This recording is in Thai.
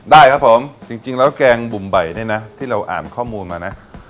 ได้ครับผมจริงแล้วแกงบุ่มใบนี่นะที่เราอ่านข้อมูลมานะ